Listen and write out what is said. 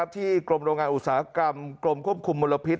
กรมโรงงานอุตสาหกรรมกรมควบคุมมลพิษ